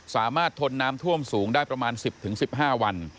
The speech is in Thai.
ทนน้ำท่วมสูงได้ประมาณ๑๐๑๕วัน